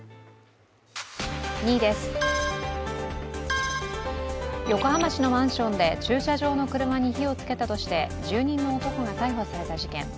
２位です、横浜市のマンションで駐車場の車に火をつけたとして住人の男が逮捕された事件。